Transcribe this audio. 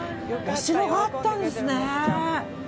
お城があったんですね。